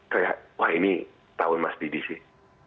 kayak wah ini tahun mas didi sih